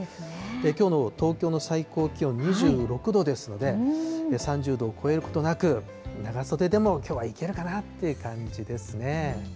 きょうの東京の最高気温２６度ですので、３０度を超えることなく、長袖でもきょうはいけるかなという感じですね。